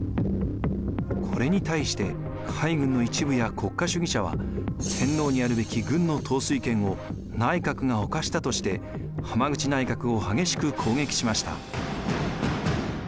これに対して海軍の一部や国家主義者は天皇にあるべき軍の統帥権を内閣がおかしたとして浜口内閣を激しく攻撃しました。